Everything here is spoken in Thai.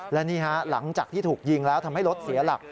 และนี่ฮะหลังจากที่ถูกยิงแล้วทำให้รถเสียหลัก